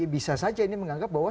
bisa saja ini menganggap bahwa